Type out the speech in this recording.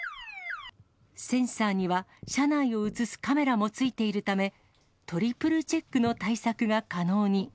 センサーには、車内を映すカメラもついているため、トリプルチェックの対策が可能に。